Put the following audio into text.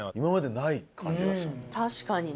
確かにな。